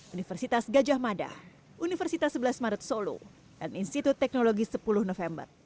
universitas gajah mada universitas sebelas maret solo dan institut teknologi sepuluh november